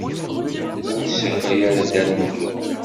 Ur d-ssakay ara Dda Lmulud.